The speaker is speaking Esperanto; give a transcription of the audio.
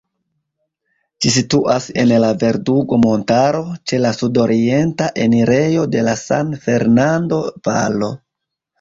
Ĝi situas en la Verdugo-montaro, ĉe la sudorienta enirejo de la San Fernando-valo.